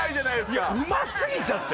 うますぎちゃって。